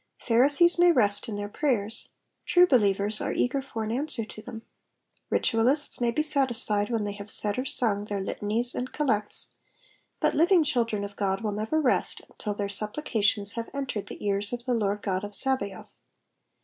Pharisees may rest in their prayers ; true believers are eager for an answer to them : ritualists may be satisfied when they have *' said or sung'^ their litanies and collects, but living children of God will never rest till their supplications have entered the ears of the Lord God of Sabaoth.